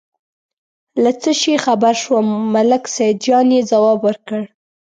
له څه شي خبر شوم، ملک سیدجان یې ځواب ورکړ.